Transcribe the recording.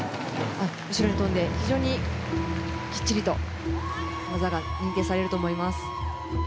後ろに跳んで非常にきっちりと技が認定されると思います。